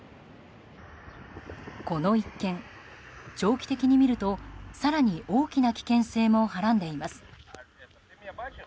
この一件、長期的に見ると更に大きな危険性もはらんでいます。